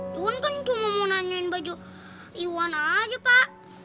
tuhan kan cuma mau nanyain baju iwan aja pak